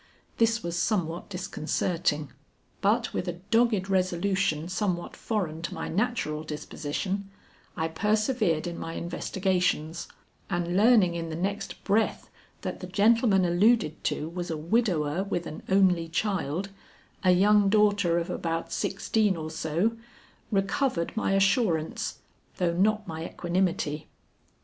This was somewhat disconcerting, but with a dogged resolution somewhat foreign to my natural disposition, I persevered in my investigations, and learning in the next breath that the gentleman alluded to was a widower with an only child, a young daughter of about sixteen or so, recovered my assurance, though not my equanimity.